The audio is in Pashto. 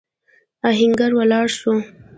آهنګر ولاړ شو.